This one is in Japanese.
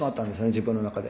自分の中で。